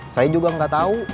saya juga nggak tahu